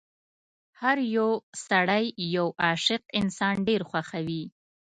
هر يو سړی یو عاشق انسان ډېر خوښوي.